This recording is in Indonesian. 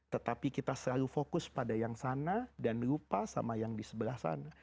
tetapi kita selalu fokus pada yang sana dan lupa sama yang di sebelah sana